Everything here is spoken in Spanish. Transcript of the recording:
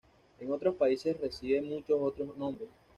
En otros países recibe muchos otros nombres.